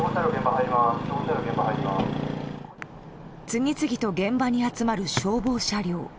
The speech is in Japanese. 次々と現場に集まる消防車両。